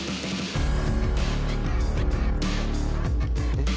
えっ？